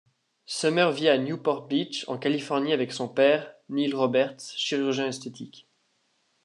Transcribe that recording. Summer vit à Newport Beach en Californie avec son père, Neil Roberts, chirurgien esthétique.